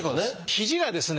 肘がですね